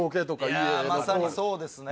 いやあまさにそうですね。